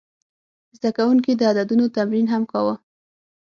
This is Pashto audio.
زده کوونکي د عددونو تمرین هم کاوه.